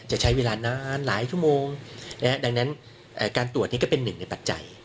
จะใช้เวลานานหลายชั่วโมงดังนั้นการตรวจนี้ก็เป็นหนึ่งในปัจจัย